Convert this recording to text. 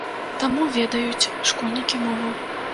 Таму ведаюць школьнікі мову.